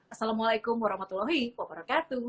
assalamualaikum warahmatullahi wabarakatuh